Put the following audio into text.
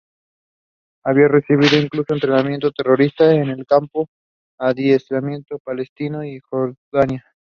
Había recibido incluso entrenamiento terrorista en un campo de adiestramiento palestino en Jordania.